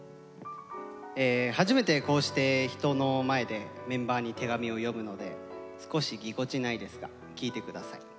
初めてこうして人の前でメンバーに手紙を読むので少しぎこちないですが聞いて下さい。